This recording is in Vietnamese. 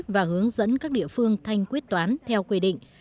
và hướng dẫn các địa phương thanh quyết toán theo quy định